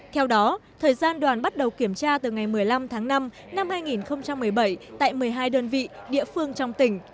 theo đó thời gian đoàn bắt đầu kiểm tra từ ngày một mươi năm tháng năm năm hai nghìn một mươi bảy tại một mươi hai đơn vị địa phương trong tỉnh